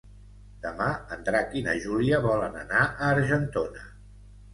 Demà en Drac i na Júlia volen anar a Argentona.